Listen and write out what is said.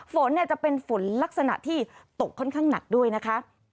ฝนจะเป็นฝนลักษณะที่ตกค่อนข้างหนักด้วยนะคะ